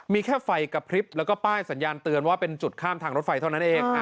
มีแค่ไฟกระพริบแล้วก็ป้ายสัญญาณเตือนว่าเป็นจุดข้ามทางรถไฟเท่านั้นเอง